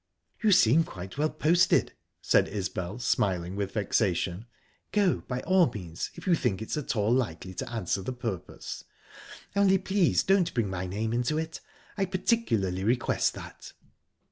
"You seem quite well posted," said Isbel, smiling with vexation. "Go, by all means, if you think it's at all likely to answer the purpose. Only, please don't bring my name into it I particularly request that."